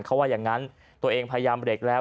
เขาว่าอย่างนั้นตัวเองพยายามเบรกแล้ว